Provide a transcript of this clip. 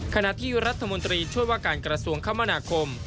ขณะที่รัฐมนตรีช่วยว่าการกระทรวงคมนาคม